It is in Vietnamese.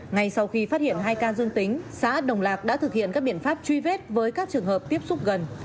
ngay sau khi phát hiện hai ca dương tính xã đồng lạc đã thực hiện các biện pháp truy vết với các trường hợp tiếp xúc gần